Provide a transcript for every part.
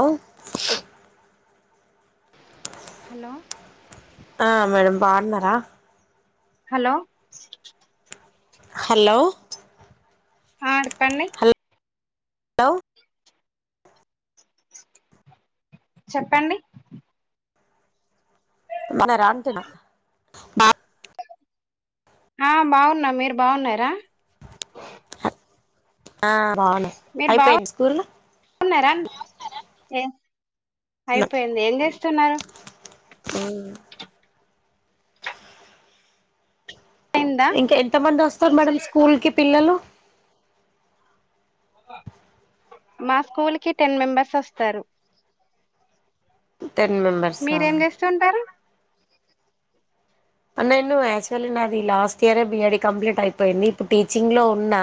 అవు హలో ఆ మేడం బాగున్నారా హలో హలో అడుతన్నయి హలో చెప్పండి మనరాంటున్న ఆ బాగున్న మీరు బాగున్నార ఆ బాగున్నా మీరు బాగు అయిపోయింది స్కూల్ గున్నారా అండి అయిపోయింది ఏం చేస్తున్నారు ఊ అయిందా ఇంకా ఎంత మంది వస్తారు మేడం స్కూల్ కి పిల్లలు మా స్కూల్ కి టెన్ మెంబర్స్ వస్తారు టెన్ మెంబర్సా మీరేం చేస్తు ఉంటారు నేను యాక్చువల్లీ నాది లాస్ట్ ఇయరే బిఐడి కంప్లీట్ అయిపోయింది ఇప్పుడు టీచింగ్ లో ఉన్న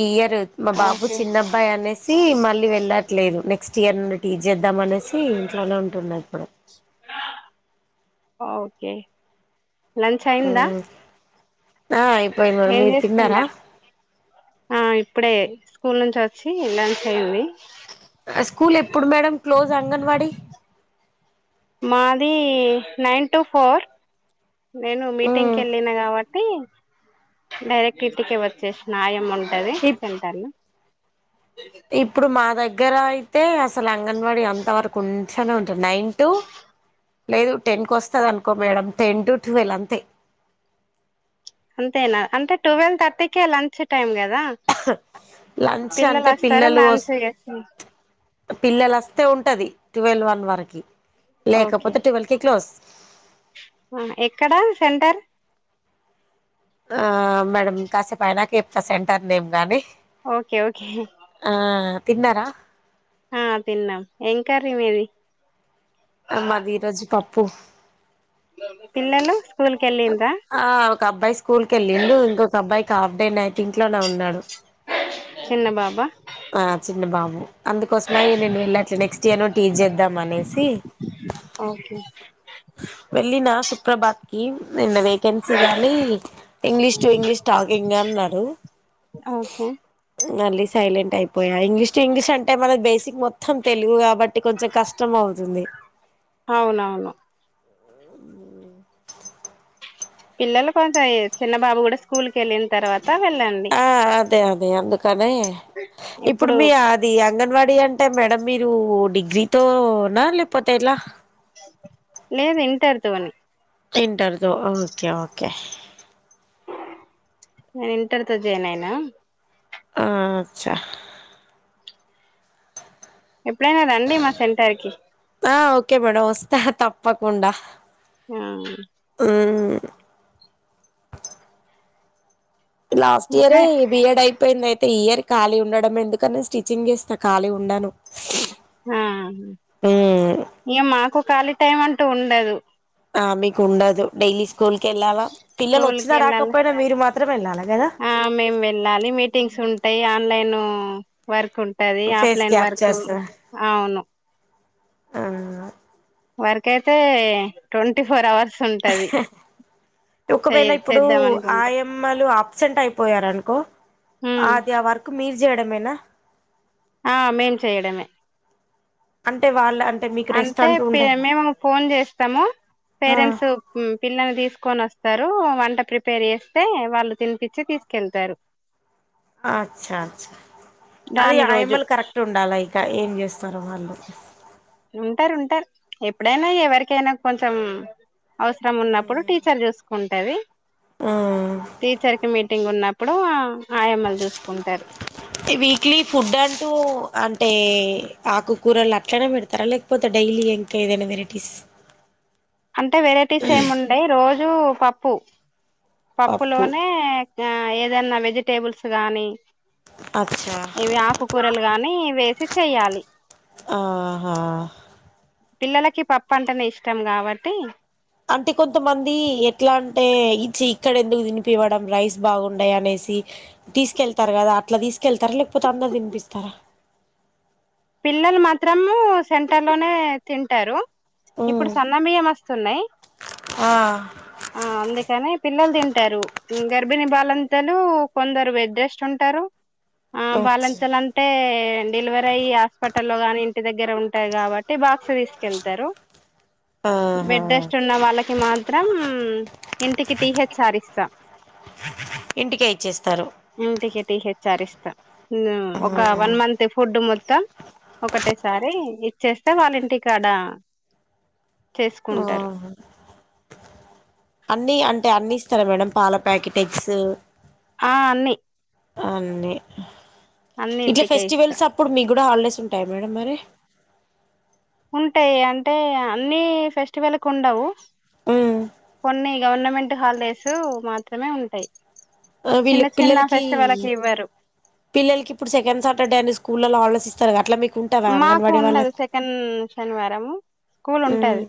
ఈ ఇయర్ మా బాబు ఓకే చిన్న అబ్బాయి అనేసి మళ్ళీ వెళ్ళట్లేదు నెక్స్ట్ ఇయర్ ఉన్నటి చేద్దాం అనేసి ఇంట్లోనే ఉంటున్న ఇప్పుడు ఓకే లంచ్ అయిందా మ్ ఆ అయిపోయింది మేడం ఏం మీరు తిన్నారా చేస్తున్నారు ఆ ఇప్పుడే స్కూల్ నుంచి వచ్చి లంచ్ అయింది ఆ స్కూల్ ఎప్పుడు మేడం క్లోజ్ అంగన్వాడి మాది నైన్ టు ఫోర్ నేను మీటింగ్ కి వెళ్ళిన కాబట్టి డైరెక్ట్ ఇంటికి వచ్చేసిన ఆయమ్మ ఉంటది ఇప్ సెంటర్ లో ఇప్పుడు మా దగ్గర అయితే అసలు అంగన్వాడి అంత వరకు ఉంచనే ఉంచరూ నైన్ టూ లేదు టెన్కి వస్తది అనుకో మేడం టెన్ టు ట్వెల్వ్ అంతే అంతేనా అంటే ట్వెల్వ్ థర్టీకే లంచ్ టైమ్ కదా లంచ్ అంటే వస్తారు పిల్లలు వ లంచ్ చేస్తారు పిల్లలు అ స్తే ఉంటది ట్వెల్వ్ వన్ వరకి లేకపోతే ట్వెల్వ్ కి క్లోజ్ ఎక్కడా సెంటర్ ఆ మేడం కాసేపు అయినాక చెప్తా సెంటర్ నేమ్ గాని ఓకే ఓకే ఆ తిన్నారా ఆ తిన్నాం ఏం కారీ మీది అ మాది ఈ రోజు పప్పు పిల్లలు స్కూల్ వెళ్ళిండ్రా ఆ ఒక అబ్బాయి స్కూల్ కి వెళ్ళిండు ఇంక అబ్బాయికి హఫ్ డే అయితే ఇంట్లోనే ఉన్నాడు చిన్న బాబు ఆ చిన్న బాబు అందుకోసము అయ నేను వెళ్ళట్లే నెక్స్ట్ ఇయర్ రు టీచ్ చేద్దాం అనేసి ఓకే వెళ్ళిన సుప్రభాతం కి నిన్న వేకెన్సీ గానీ English to English talking day అన్నారు ఓకే మళ్లీ సైలెంట్ అయిపోయా ఇంగ్లీష్ ఇంగ్లీష్ అంటే మన బేసి మొత్తం తెలుగు కాబట్టి కొంచెం కష్టం అవుతుంది అవునవును పిల్లలు కొంచెం చిన్న బాబు కూడా స్కూల్ కీ వెళ్ళిన తర్వాత వెళ్ళండి ఆ అదే అదే అందుకనే ఇప్పుడు మీ అది అంగన్వాడీ అంటే మేడం మీరు డిగ్రీతోనా లేకపోతే ఎలా లేదు ఇంటర్ తోని ఇంటర్ తో ఓకే ఓకే నేను ఇంటర్ తో జాయిన్ అయినా ఆ అచా ఎప్పుడన రండీ మా సెంటర్ కి ఆ ఓకే మేడం వస్తా తప్పకుండా ఆ మ్మ్ లాస్ట్ ఇయర్ ఇంకా బిఎడ్ అయిపోయింది అయితే ఇయర్ ఖాళీ ఉండడం ఎందుకని స్టిచ్చింగ్ చేస్తాను ఖాళీ ఉండాను మ్మ్ ఆ మాకు ఖాళీ టైం అంటూ ఉండదు ఆ మీకు ఉండదు డైలీ స్కూల్ కి వెళ్ళాలా పిల్లలు స్కూల్ కి వచ్చినా వెళ్ళాలి రాకపోయినా మీరు మాత్రం వెళ్ళాలి ఆ మేము వెళ్ళాలి మీటింగ్స్ ఉంటాయి ఆన్లైన్ వర్క్ ఉంటాది ఉంటది ఫేస్ ఆఫ్లైన్ వర్క్ క్యాప్చర్స్ అవును ఆ వరకైతే ట్వంటీ ఫోర్ అవర్స్ ఉంటది ఒకవేళ చెయ ఇప్పుడు చేద్దాం అనుకుంటే ఆయమ్మలు ఆ ఆబ్సెంట్ ఉమ్ అయిపోయారనుకోడీ ఆ వర్క్ మీరు చేయడమేనా ఆ మేం చేయడమే అంటే వాళ్ళ అంటే మీకు రెస్ట్ అంటే అంటూ ఉండదు మేము ఫోన్ చేస్తాము ఆ పేరెంట్స్ పిల్లని తీసుకొని వస్తారు వంట ప్రిపేర్ చేస్తే వాళ్ళు తినిపచ్చి తీసుకెళ్తారు అచ్చ అచ్చ అది రాని రోజు ఆయమ్మలు కరెక్ట్ ఉండాలా ఇక ఏం చేస్తారు వాళ్ళు ఉంటారు ఉంటారు ఎప్పుడైనా ఎవరికైనా కొంచెం అవసరం ఉన్నప్పుడు టీచర్ చూసుకుంటది మ్మ్ టీచర్ కి మీటింగ్ ఉన్నప్పుడు అప్పుడు విక్లీ ఫుడ్ అంటూ అ అంటే ఆకుకూరలు అట్లనే పెడతారా లేకపోతే డైలీ ఇంకా ఏదైనా వెరైటీస్ అంటే వెరైటీస్ ఏమి ఉండయి రోజు పప్పు పప్పు పప్పులోనే ఆ ఏదనా వెజిటేబుల్స్ గాని అచ్చా ఇవి ఆకుకూరలు గానీ వేసి చెయ్యాలి ఆహా పిల్లలకి పప్పు అంటనే ఇష్టం కాబట్టి అంటే కొంతమంది ఎట్లా అంటే ఇచ్చ ఇక్కడ ఎందుకు తినిపివ్వడం రైస్ బాగుండయి అనే సి తీసుకెళ్తారు కదా అట్లా తీసుకెళ్తారా లేకపోతే అందరు తినిపిస్తారా పిల్లలు మాత్రము సెంటర్ లోనే తింటారు ఇప్పుడు ఉమ్ సన్నమియము న్నాయి ఆ అందుకని పిల్లలు తింటారు గర్భిణీ బాలంతలు కొందరు బెడ్ రెస్ట్ ఉంటారు ఆ అచ్చా బాలంతాలంటే డెలివరీ అయ్యి ట్టల్లో గాని ఇంటి దగ్గర ఉంటాయి కాబట్టి బాక్స్ తీసుకెళ్తారు ఆహా బెడ్ రెస్ట్ ఉన్న వాళ్ళకి మాత్రం ఇంటికి టీహెచ్ ఆరిస్తా ఇంటికే ఇచ్చేస్తారు విచారిస్తాం ఒక ఆహా వన్ మంత్ ఫుడ్ మొత్తం ఒకటేసారి ఇచ్చేస్తే వాళ్ళంటికాడా ఆ అన్ని అంటే అన్ని ఇస్తారా మేడం పాల ప్యాకెట్ ఎగ్స్ ఆ అన్ని ఆ అన్నీ అన్ని ఇట్లా ఇంటికే ఇస్తా ఫెస్టివల్స్ అప్పుడు మీకు కూడా హాలిడేస్ ఉంటాయా మేడం మరి ఉంటాయి అంటే అన్ని ఫెస్టివల్ కి ఉండవు కొన్ని గవర్నమెంట్ హాలిడేస్ మాత్రమే ఉంటాయి వీళ్ళ చిన్న చిన్న పిల్లలకి ఫెస్టివల్కి ఇవ్వరు పిల్లలకి ఇప్పుడు సెకండ్ సాటర్ డే అని స్కూళ్లల్లో హాలిడేస్ ఇస్తారు అట్లా మీకు ఉంటదా మాకు అంగన్వాడీ ఉండదు వాళ్ళకి సెకండ్ శనివారము స్కూల్ మ్మ్ ఉంటది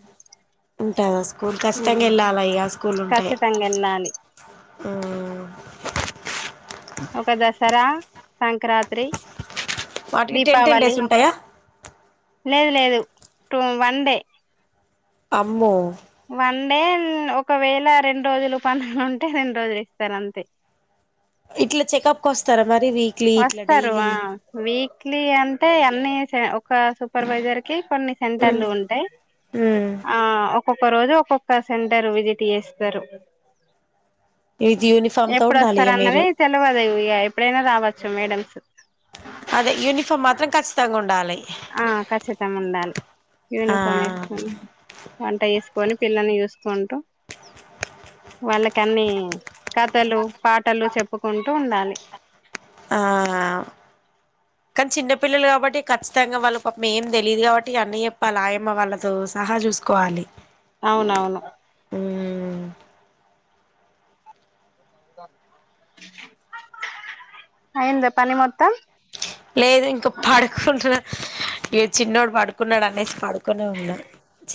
ఉంటదా స్కూల్ కష్టంగా వెళ్ళాలి ఇక స్కూల్ ఉంటే ఖచ్చితంగా వెళ్ళాలి ఆ ఒక దసరా సంక్రాంతి వాటికి టెన్ టెన్ దీపావళి డేస్ ఉంటాయా లేదు లేదు టూ వన్ డే అమ్మో వన్ డే ఒకవేళ రెండు రోజులు పనులు ఉంటే రెండు రోజులు ఇస్తారు అంతే ఇట్లా చెకప్కి వస్తారా మరి వీక్లీ ఇట్లా డైలీ అన్ని అంటే అన్ని ఒక సూపర్వైజర్ కి కొన్ని మ్మ్ సెంటర్లు ఉంటాయి మ్మ్ ఆ ఒక ఒక్క రోజు ఒక్కొక్క సెంటర్ విజిట్ చేస్తారు ఇది యూనిఫామ్ తో ఉండాలి ఇక మీరు ఎప్పుడుస్తారన్నది తెలివదు ఎప్పుడైనా రావచ్చు మేడమ్స్ అదే యూనిఫామ్ మాత్రం ఖచ్చితంగా ఉండాలి ఆ ఖచ్చితం ఉండాలి ఆ యూనిఫామ్ వేసుకుని వంట చేసుకొని పిల్లలని చూసుకుంటూ వాళ్ళకి అన్ని కథలు పాటలు చెప్పుకుంటూ ఉండాలి ఆ కానీ చిన్న పిల్లలు కాబట్టి ఖచ్చితంగా వాళ్ళు పాపం ఏం తెలియదు కాబట్టి అన్ని చెప్పాలి ఆయమ్మ వాళ్ళతో సహా చూసుకోవాలి అవునవును ఉమ్ అయిందా పని మొత్తం లేదు ఇంకా పడుకుంటున్నా ఇగ చిన్నోడు పడుకున్నాడు అనేసి కునేఉన్నా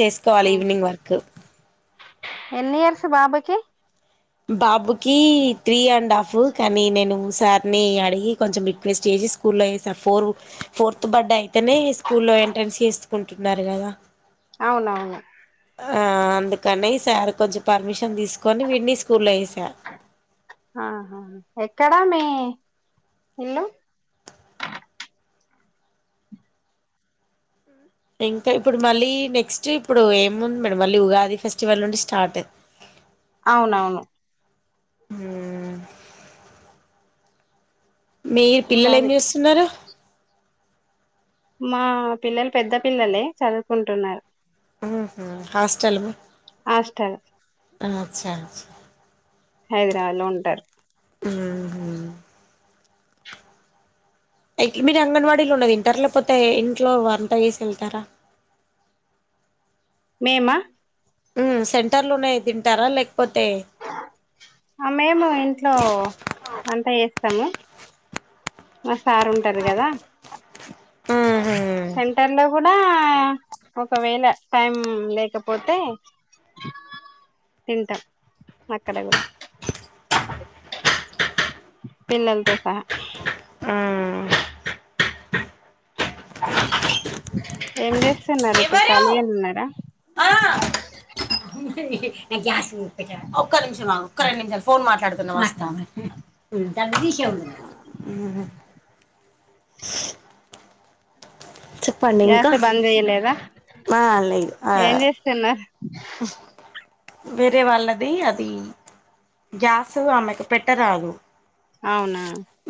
చేసుకోవాలి ఈవినింగ్ వర్క్. ఎన్ని ఇయర్స్ బాబుకి బాబుకి త్రీ అండ్ హాఫ్ కానీ నేను సారిని అడిగి కొంచెం రిక్వెస్ట్ చే స్కూల్లో ఎసా ఫోర్ ఫోర్త్ బడ్డే అయితేనే స్కూల్లో ఎంట్రెన్స్ చేసుకుంటున్నరు కదా. అవునవును. ఆ అందుకని ఈ సార్ కొంచెం పర్మిషన్ తీసుకొని వీడిని స్కూల్లో వేసా ఆహా ఎక్కడా మీ ఇల్లు? ఇంకా ఇప్పుడు మళ్ళీ నెక్స్ట్ ఇప్పుడు ఏము ఉంది మేడం. మళ్ళీ ఉగాది ఫెస్టివల్ నుండి స్టార్ట్. అ అవునవును. హ్ మీరు పిల్లలు ఏం అది చేస్తున్నరు? మా పిల్లలు పెద్ద పిల్లలే చదువుకుంటున్నరు. హుహ్ హాస్టలు ఆస్టల్ ఆ అచ్చాచా. హైదరాబాద్ లో ఉంటరు. హుహ్ ఎట్లా మీరు అంగన్వాడీలోనే తింటరా లేకపోతే ఇంట్లో వంటచేసి ఎళ్తరా. మేమా సెంటర్లున్నయి తింటారా లేకపోతే ఆ మేము ఇంట్లో వంట చేస్తము. మా సార్ ఉంటరు కదా. సెంటర్ లో కూడా ఒకవేళ టైం లేకపోతే తింటాం అక్కడ కూడా. పిల్లలతో సహా ఏం చేస్తున్నరు ఇప్పుడు ఎవరు ఖాళీగనే ఉన్నరా. జా ఒక్క నిమిషం ఆగు, ఒక్క రెండు నిమిషాలు ఫోన్ మాట్లాడుతున్నా వస్తా ఆగు. హ్ చెప్పండి ఇంకా. గ్యాస్ బంద్ చేయలేదా ఆ లేదు ఆ ఏం చేస్తున్నారు వేరే వాళ్ళది అది గ్యాస్ ఆమెకు పెట్టరాదు. అవునా.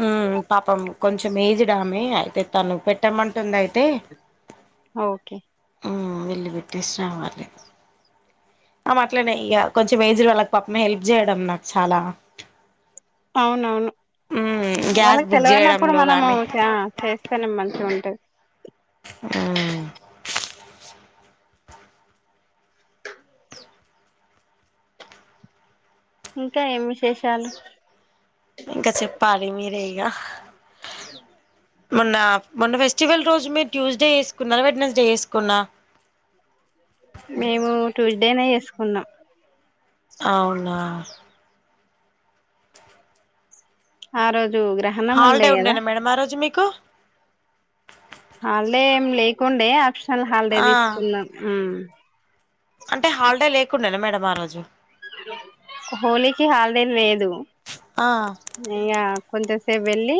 ఉమ్ పాపం కొంచెం ఏజ్డామే అయితే తను పెట్టమంటుంది అయితే ఆ ఓకే వెళ్ళి పెట్టేసి రావాలె. ఆమె అట్లనే ఇగా కొంచెం ఏజ్డ్ వాళ్ళకు పాపం హెల్ప్ చేయడం నాకు చాలా అవును ఉమ్ గ్యాస్ వాళ్ళకి బుక్ తెలివనప్పుడు చేయడంలో మనము గాని ఆ చేస్తనే మంచిగా ఉంటది. హు ఇంకా ఏం విశేషాలు. ఇంకా చెప్పాలి మీరే ఇగా. మొన్న మొన్న ఫెస్టివల్ రోజు మీరు ట్యూ స్డే చేసుకున్నరా వెడ్నస్ డే చేసుకుర్రా. మేము ట్యూస్డేనే చేసుకున్నాం. అవునా ఆ రో హాలిడే ఉండేనా మేడం ఆ రోజు మీకు హాలిడే ఏమి లేకుండే ఆప్షనల్ హాలిడే ఆ తీసుకున్నా ఉ అంటే హాలిడే లేకుండేన మేడం ఆ రోజు హోలీకి హాలిడే లేదు ఆ ఇకా కొంతసేపు వెళ్ళి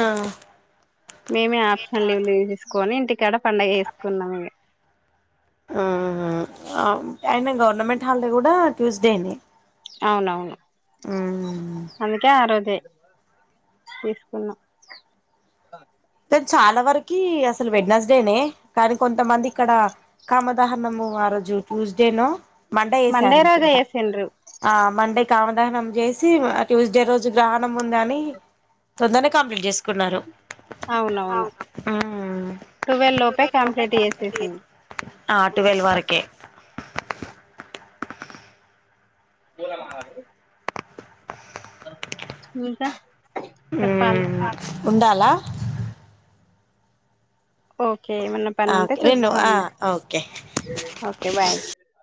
ఆ నేనే ఆప్షనల్ లీ లీవ్ తీసుకొని ఇంటికాడ పండగ చేసుకుందాం అని ఆ అ అయిన గవర్నమెంట్ హాలిడే కూడా ట్యూస్డే నే అవునవును అందుకే ఆ రోజు తీసుకున్నా చాలా వరకి అసలు వెడ్నర్స్డేనే కానీ కొంతమంది ఇక్కడ కామదాహనము వర జు ట్యూస్డే నే మండే రోజే చేశారనుకుంటా చేసిండ్రు ఆ మండే కామదహనం చేసి ఆ ట్యూస్డే రోజు గ్రహణం ఉందని తొందరనే కంప్లీట్ చేసు కున్నారు అవునవును అవును టువెల్ లోపే కంప్లీట్ చేసేసిండ్రు [inaudible] ఆ టువెల్ వరకే లీలామహల్ కి ఇంకా చెప్పాలి మ్మ్ ఉండాలా ఓకే ఏమన్నా పని ఆ ఉంటే రెండు ఆ చూసుకోండి ఓకే ఓకే బాయ్